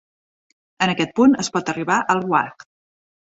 En aquest punt, es pot arribar al "wajd".